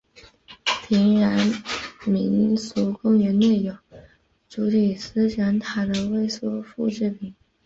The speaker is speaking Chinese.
平壤民俗公园内有主体思想塔的微缩复制品。